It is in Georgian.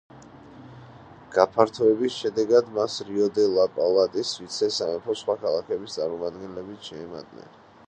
გაფართოების შედეგად მას რიო-დე-ლა-პლატის ვიცე-სამეფოს სხვა ქალაქების წარმომადგენლებიც შეემატნენ.